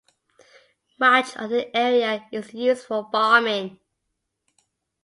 Much of the area is used for farming.